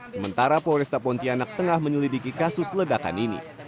sementara polresta pontianak tengah menyelidiki kasus ledakan ini